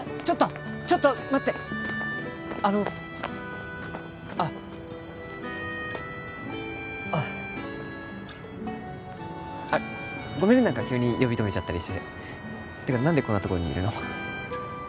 ちょっとちょっと待ってあのあっあっごめんね何か急に呼び止めちゃったりしててか何でこんなとこにいるの？